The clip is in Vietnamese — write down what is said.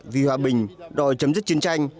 vì hòa bình đòi chấm dứt chiến tranh